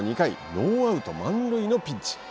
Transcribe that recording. ノーアウト、満塁のピンチ。